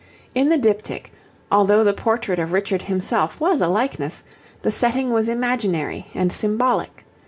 In the diptych, although the portrait of Richard himself was a likeness, the setting was imaginary and symbolic.